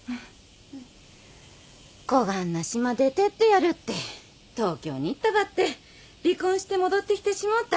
こがんな島出てってやるって東京に行ったばって離婚して戻ってきてしもうた。